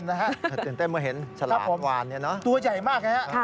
ตื่นเต้นเมื่อเห็นฉลามวานเนี่ยเนอะครับผมตัวใหญ่มากนะครับครับ